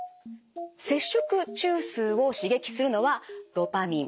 摂食中枢を刺激するのはドパミン。